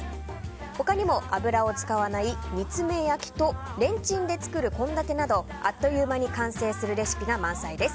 他にも油を使わない煮詰め焼きとレンチンで作る献立などあっという間に完成するレシピが満載です。